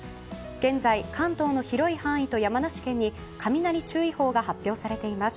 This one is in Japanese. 現在、関東の広い範囲と山梨県に雷注意報が発表されています。